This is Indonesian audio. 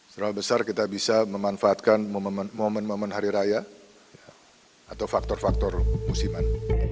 seberapa besar kita bisa memanfaatkan momen momen hari raya atau faktor faktor musiman